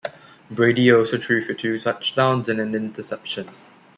Brady also threw for two touchdowns and an interception.